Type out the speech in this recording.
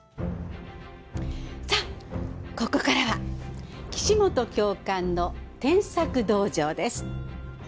さあここからは「岸本教官の添削道場」です。